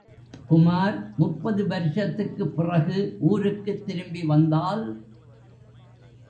குமார் முப்பது வருஷத்துக்குப் பிறகு ஊருக்குத் திரும்பி வந்தால்........?